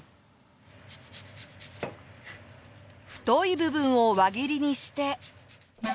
太い部分を輪切りにして。